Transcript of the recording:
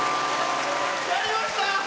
やりましたよ！